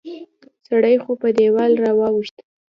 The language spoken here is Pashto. سړی خو په دیوال را واوښت